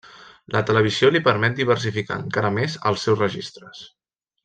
La televisió li permet diversificar encara més els seus registres.